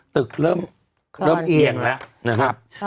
ตึกเริ่มเอียงแล้ว